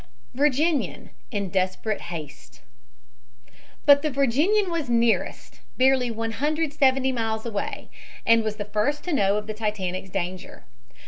VIRGINIAN IN DESPERATE HASTE But the Virginian was nearest, barely 170 miles away, and was the first to know of the Titanic's danger.